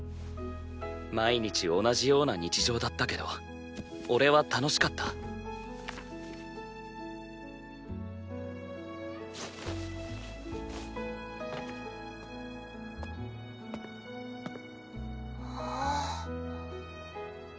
毎日同じような日常だったけど俺は楽しかったあぁ！